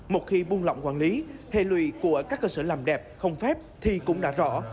một khi buông lọng quản lý hề lùi của các cơ sở làm đẹp không phép thì cũng đã rõ